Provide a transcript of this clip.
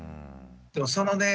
でもそのね